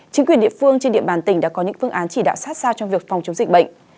chính quyền địa phương trên địa bàn tỉnh đã có những phương án chỉ đạo sát sao trong việc phòng chống dịch bệnh